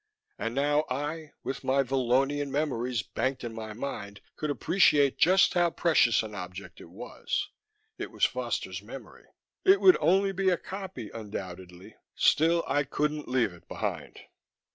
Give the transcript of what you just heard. And now I, with my Vallonian memories banked in my mind, could appreciate just how precious an object it was. It was Foster's memory. It would be only a copy, undoubtedly; still, I couldn't leave it behind.